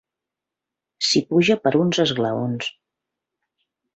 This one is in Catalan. S'hi puja per uns esglaons.